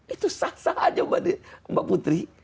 itu sah sah saja mbak putri